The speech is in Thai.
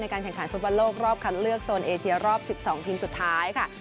การแข่งขันฟุตบอลโลกรอบคัดเลือกโซนเอเชียรอบ๑๒ทีมสุดท้ายค่ะ